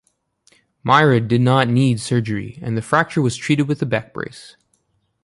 Meira did not need surgery and the fracture was treated with a back brace.